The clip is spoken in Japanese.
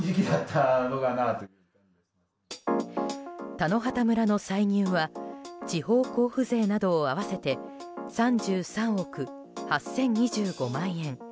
田野畑村の歳入は地方交付税などを合わせて３３億８０２５万円。